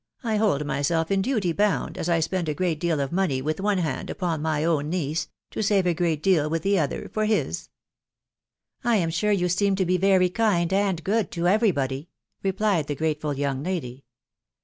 I hold myself in duty bound, as I spend a great deal of money with one hand upon my own niece, to save a great deal with the other for his.' "" I am sure you seem to be very kind and good to every body," replied the grateful young lady.